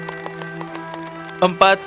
empat empat empat empat puluh empat jam